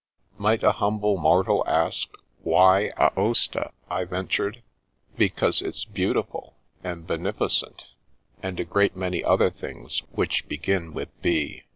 " Might a humble mortal ask, ' Why Aosta ? I ventured. " Because it's beautiful, and beneficent, and a great many other things which begin with B."